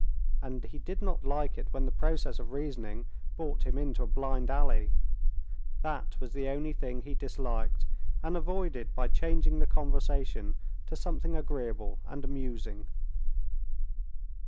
And he did not like it when the process of reasoning brought him into a blind alley. That was the only thing he disliked, and avoided by changing the conversation to something agreeable and amusing.